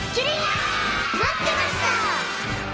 まってました！